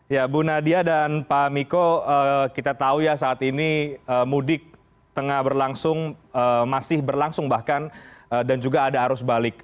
ya bu nadia dan pak miko kita tahu ya saat ini mudik tengah berlangsung masih berlangsung bahkan dan juga ada arus balik